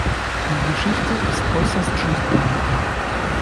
Die Geschichte ist äußerst schlicht gehalten.